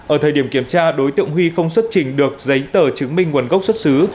ở thời điểm kiểm tra đối tượng huy không xuất trình được giấy tờ chứng minh nguồn gốc xuất xứ